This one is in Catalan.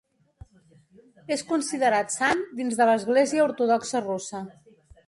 És considerat sant dins de l'Església Ortodoxa Russa.